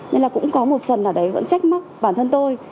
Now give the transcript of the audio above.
nên là cũng có một phần ở đấy vẫn trách mắc bản thân tôi